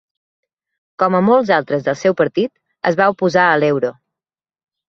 Com a molts altres del seu partit, es va oposar a l'euro.